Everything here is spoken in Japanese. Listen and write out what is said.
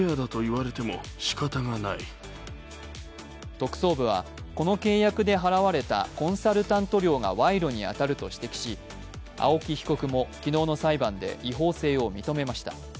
特捜部は、この契約で払われたコンサルタント料が賄賂に当たると指摘し青木被告も昨日の裁判で違法性を認めました。